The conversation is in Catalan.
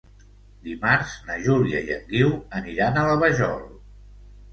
Dimarts na Júlia i en Guiu aniran a la Vajol.